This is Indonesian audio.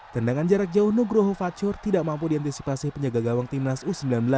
tendangan jarak jauh nugroho facur tidak mampu diantisipasi penjaga gawang timnas u sembilan belas